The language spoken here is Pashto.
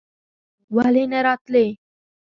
ولې نه راتلې?